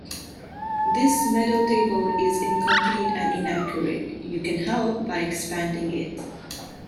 This medal table is incomplete and inaccurate; you can help by expanding it.